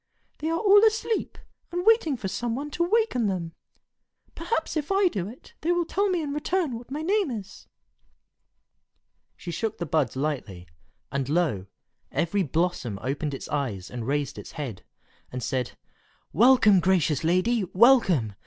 "They are all asleep, and waiting for some one to waken them. Perhaps if I do it, they will tell me in return what my name is." She shook the buds lightly, and lo! every blossom opened its eyes and raised its head, and said, "Welcome, gracious lady! welcome!